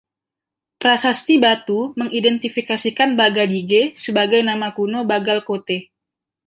Prasasti batu mengidentifikasi "Bagadige" sebagai nama kuno Bagalkote.